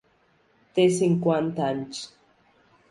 Té cinquanta anys.